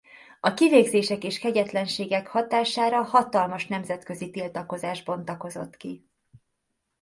A kivégzések és kegyetlenségek hatására hatalmas nemzetközi tiltakozás bontakozott ki.